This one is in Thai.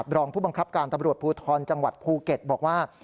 รองผู้บังคับการตำรวจภูทรจังหวัดภูเก็ตบอกว่า